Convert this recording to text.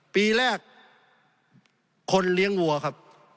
ปีแรกคนเลี้ยงวัวครับ